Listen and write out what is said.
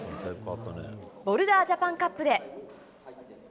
ボルダージャパンカップで。